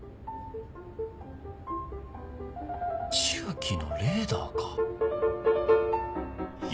千秋のレーダーか。